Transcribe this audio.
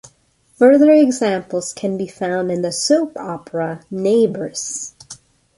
Further examples can be found in the soap opera "Neighbours".